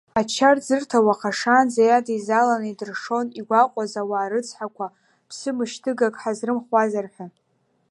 Ачарӡырҭа уахашаанӡа иадеизаланы идыршон игәаҟуаз ауаа рыцҳақәа, ԥсымышьҭыгак ҳазрымхуазар ҳәа.